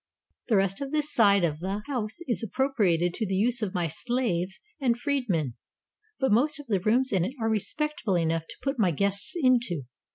The rest of this side of the 48s ROME house is appropriated to the use of my slaves and freed men; but most of the rooms in it are respectable enough to put my guests into.